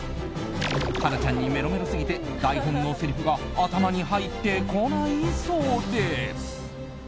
ハナちゃんにメロメロすぎて台本のせりふが頭に入ってこないそうです。